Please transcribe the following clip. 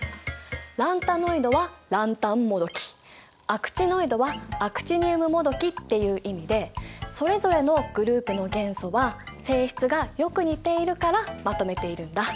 ランタノイドはランタンもどきアクチノイドはアクチニウムもどきっていう意味でそれぞれのグループの元素は性質がよく似ているからまとめているんだ。